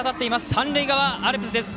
三塁側アルプスです。